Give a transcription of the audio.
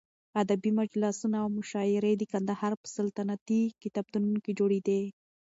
ادبي مجلسونه او مشاعرې د قندهار په سلطنتي کتابتون کې جوړېدې.